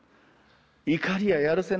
怒りややるせなさ